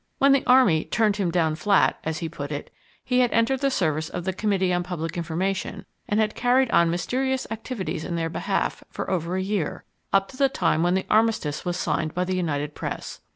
When the army "turned him down flat," as he put it, he had entered the service of the Committee on Public Information, and had carried on mysterious activities in their behalf for over a year, up to the time when the armistice was signed by the United Press.